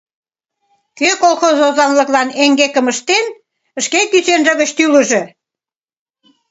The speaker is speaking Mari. Кӧ колхоз озанлыклан эҥгекым ыштен, шке кӱсенже гыч тӱлыжӧ!